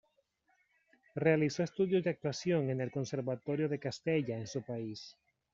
Realizó estudios de actuación en el Conservatorio de Castella en su país.